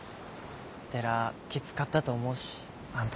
寺きつかったと思うしあん時。